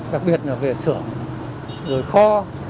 đặc biệt là về sửa người kho